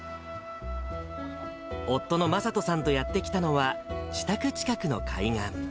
夫の昌人さんとやって来たのは、自宅近くの海岸。